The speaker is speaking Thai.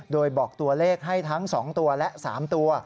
โดยบอกตัวเลขให้ทั้ง๒ตัวและ๓ตัว